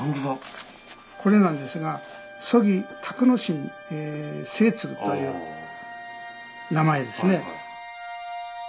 これなんですが曽木宅之進季次という名前ですね。